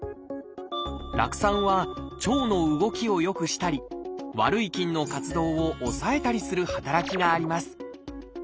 酪酸は腸の動きを良くしたり悪い菌の活動を抑えたりする働きがあります。